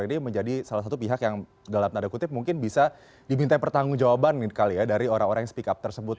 jadi menjadi salah satu pihak yang dalam nada kutip mungkin bisa diminta pertanggung jawaban kali ya dari orang orang yang speak up tersebut